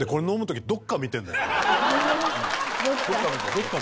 どっか。